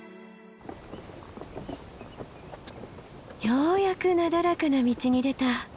ようやくなだらかな道に出た。